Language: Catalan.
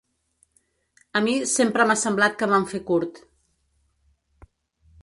A mi sempre m’ha semblat que vam fer curt.